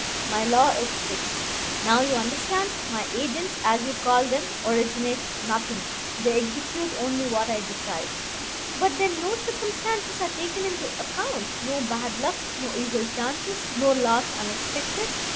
My law is fixed. Now you understand. My agents, as you call them, originate nothing; they execute only what I decide " "But then no circumstances are taken into account, no bad luck, no evil chances, no loss unexpected."